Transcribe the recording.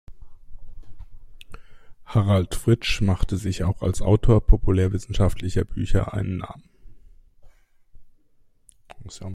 Harald Fritzsch machte sich auch als Autor populärwissenschaftlicher Bücher einen Namen.